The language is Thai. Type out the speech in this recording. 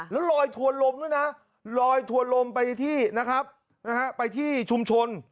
แล้วลอยถัวลมด้วยนะลอยถัวลมไปที่ชุมชน